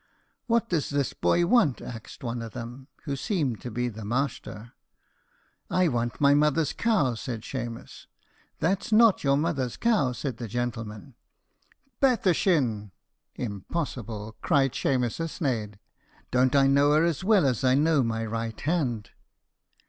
"What does this boy want?" axed one o' them, who seemed to be the masther. "I want my mother's cow," said Shemus. "That's not your mother's cow," said the gentleman. "Bethershin!" cried Shemus a sneidh; "don't I know her as well as I know my right hand?"